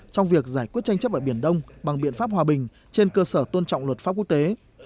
trong việc giải quyết tranh chấp ở biển đông bằng biện pháp hòa bình trên cơ sở tôn trọng luật pháp quốc tế